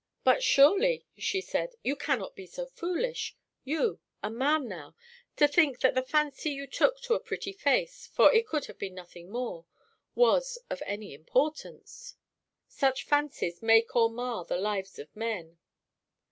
"But surely," she said, "you cannot be so foolish you, a man now to think that the fancy you took to a pretty face, for it could have been nothing more, was of any importance." "Such fancies make or mar the lives of men."